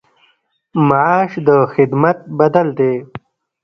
معاش د خدمت بدل دی